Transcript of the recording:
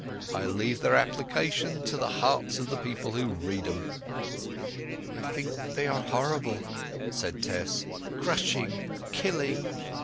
I leave their application to the hearts of the people who read 'em." "I think they are horrible," said Tess. "Crushing! Killing!"